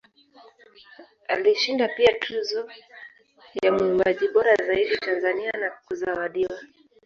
Alishinda pia Tuzo ya Mwimbaji bora zaidi Tanzania na kuzawadiwa